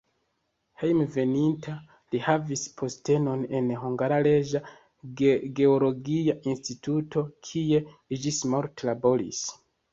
Hejmenveninta li havis postenon en "Hungara Reĝa Geologia Instituto", kie li ĝismorte laboris.